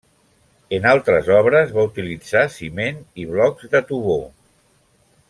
En altres obres, va utilitzar ciment i blocs d'atovó.